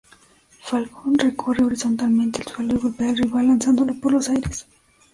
Falcon recorre horizontalmente el suelo y golpea al rival lanzándolo por los aires.